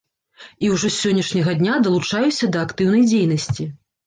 І ўжо з сённяшняга дня далучаюся да актыўнай дзейнасці.